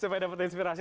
supaya dapat inspirasi